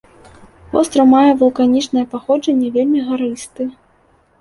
Востраў мае вулканічнае паходжанне, вельмі гарысты.